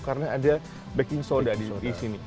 karena ada baking soda di sini